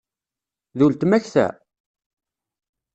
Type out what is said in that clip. D uletma-k ta?